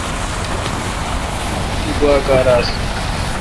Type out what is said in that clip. تی گوا کار آس۔